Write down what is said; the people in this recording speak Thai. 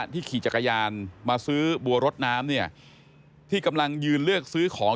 ขี่จักรยานมาซื้อบัวรถน้ำเนี่ยที่กำลังยืนเลือกซื้อของ